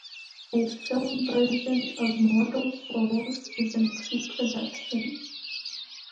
A film version of "Mortal Souls" is in pre-production.